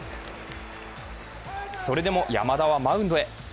それでも山田はマウンドへ。